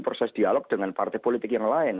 proses dialog dengan partai politik yang lain